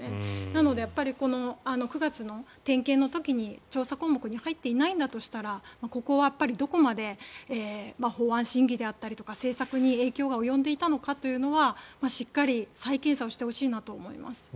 なので、９月の点検の時に調査項目に入っていないんだとしたらここはどこまで法案審議であったりとか政策に影響が及んでいたのかというのはしっかり再検査をしてほしいなと思います。